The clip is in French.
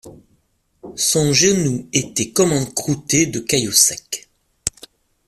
Son genou était comme encroûté de caillots secs.